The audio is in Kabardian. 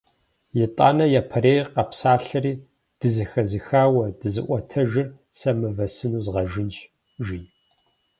Итӏанэ япэрейр къэпсалъэри: - Дызэхэзыхауэ дызыӏуэтэжыр сэ мывэ сыну згъэжынщ!- жи.